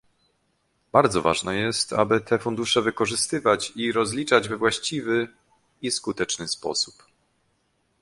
Bardzo ważne jest, aby te fundusze wykorzystywać i rozliczać we właściwy i skuteczny sposób